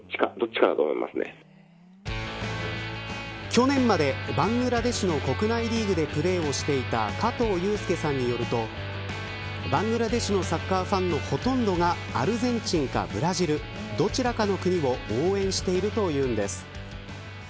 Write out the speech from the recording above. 去年までバングラデシュの国内リーグでプレーをしていた加藤友介さんによるとバングラデシュのサッカーファンのほとんどがアルゼンチンかブラジルどちらかの国を応援しているというんです。